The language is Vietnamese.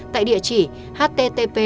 tại địa chỉ http